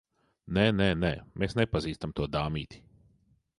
Nē, nē, nē. Mēs nepazīstam to dāmīti.